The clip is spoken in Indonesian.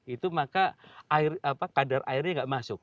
itu maka air apa kadar airnya nggak masuk